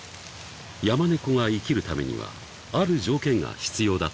［ヤマネコが生きるためにはある条件が必要だという］